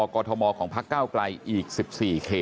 ไปพบผู้ราชการกรุงเทพมหานครอาจารย์ชาติชาติชาติชาติฝิทธิพันธ์นะครับ